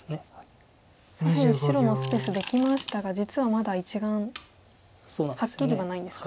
左辺白のスペースできましたが実はまだ１眼はっきりはないんですか。